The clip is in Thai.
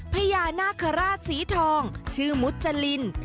พญานาคาราชสีทองชื่อมุจริน